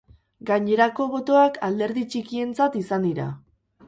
Gainerako botoak alderdi txikientzat izan dira.